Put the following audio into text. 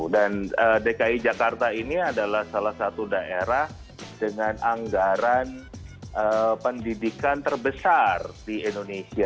dan dki jakarta ini adalah salah satu daerah dengan anggaran pendidikan terbesar di indonesia